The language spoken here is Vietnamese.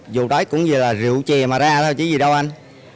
dù đó cũng như là rượu chè mà ra thôi chứ gì đâu anh